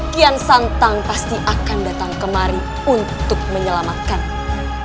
kian santang pasti akan datang kemari untuk menyelamatkanmu